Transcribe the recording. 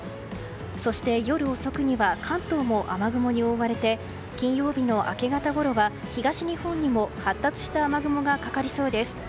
そして夜遅くには関東も雨雲に覆われて金曜日の明け方ごろは東日本にも発達した雨雲がかかりそうです。